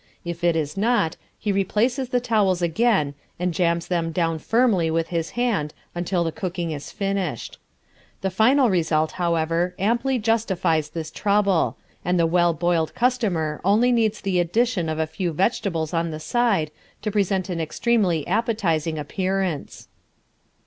If it is not, he replaces the towels again and jams them down firmly with his hand until the cooking is finished. The final result, however, amply justifies this trouble, and the well boiled customer only needs the addition of a few vegetables on the side to present an extremely appetizing appearance.